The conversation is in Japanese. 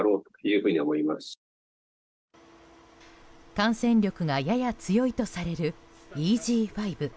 感染力がやや強いとされるＥＧ．５。